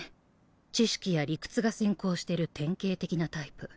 知識や理屈が先行してる典型的なタイプ。